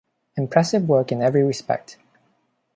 Impressive work in every respect.